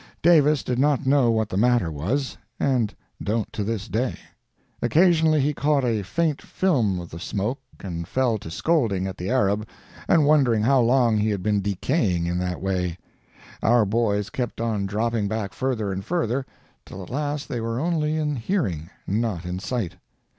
Davis did not know what the matter was, and don't to this day. Occasionally he caught a faint film of the smoke and fell to scolding at the Arab and wondering how long he had been decaying in that way. Our boys kept on dropping back further and further, till at last they were only in hearing, not in sight.